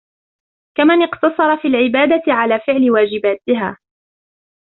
كَمَنْ اقْتَصَرَ فِي الْعِبَادَةِ عَلَى فِعْلِ وَاجِبَاتِهَا